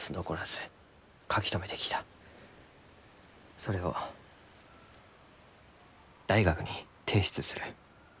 それを大学に提出する。